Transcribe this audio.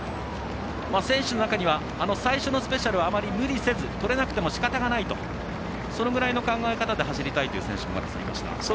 選手の中には最初のスペシャルはあまり無理せずとれなくてもしかたがないそのぐらいの考え方で走りたいという選手もいました。